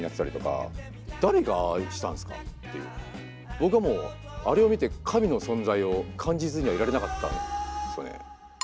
僕はもうあれを見て神の存在を感じずにはいられなかったんですよね。